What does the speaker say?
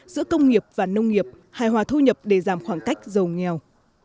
giữa công nghiệp và nông nghiệp hài hòa thu nhập để giảm khoảng cách giàu nghèo